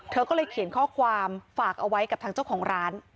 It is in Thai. เธอก็เลยเขียนข้อความฝากเอาไว้กับทางเจ้าของร้าน